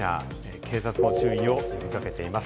警察も注意を呼び掛けています。